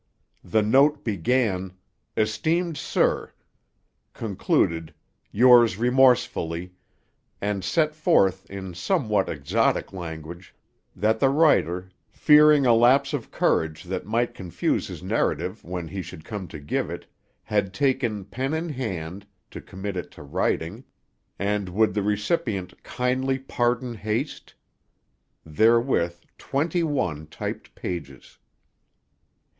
The note began "Esteemed sir," concluded "Yours remorsefully," and set forth, in somewhat exotic language, that the writer, fearing a lapse of courage that might confuse his narrative when he should come to give it, had "taken pen in hand" to commit it to writing, and would the recipient "kindly pardon haste?" Therewith, twenty one typed pages.